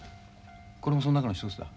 これもその中の一つだ。